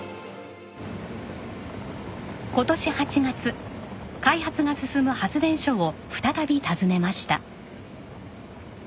今年８月開発が進む発電所を再び訪ねました。